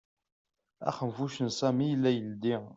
Axenfuc n Sami yella yeldi.